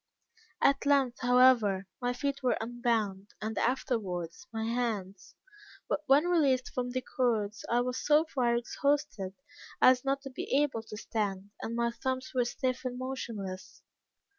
At length, however, my feet were unbound, and afterwards my hands; but when released from the cords, I was so far exhausted as not to be able to stand, and my thumbs were stiff and motionless.